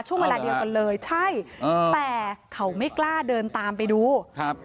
ช่วงเวลาเดียวกันเลยใช่เออแต่เขาไม่กล้าเดินตามไปดูครับ